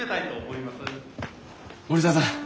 森澤さん